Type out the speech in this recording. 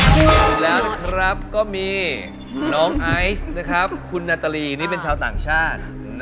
ดูแล้วนะครับก็มีน้องไอซ์นะครับคุณนาตาลีนี่เป็นชาวต่างชาติ